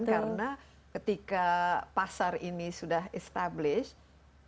karena ketika pasar ini sudah established